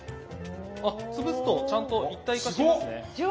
あ潰すとちゃんと一体化しますね。